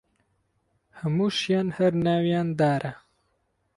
هەمووشیان هەر ناویان دارە